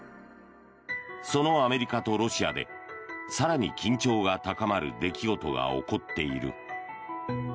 そのアメリカとロシアで更に緊張が高まる出来事が起こっている。